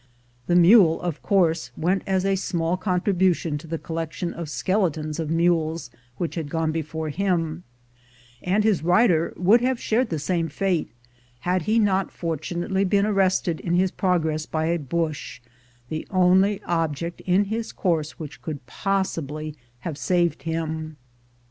The mule, of course, went as a small contribution to the collection of skeletons of mules which had gone before him; and his rider would have shared the same fate, had he not fortunately been arrested in his progress by a bush, the only object in his course which could possibly have saved him.